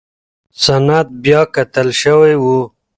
سند بیاکتل شوی و.